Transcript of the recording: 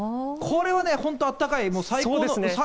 これはね、本当、あったかい、最高ですね。